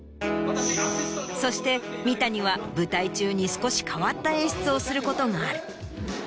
そして三谷は舞台中に少し変わった演出をすることがある。